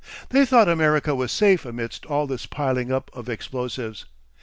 They thought America was safe amidst all this piling up of explosives.